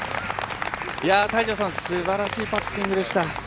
泰二郎さん、すばらしいパッティングでした。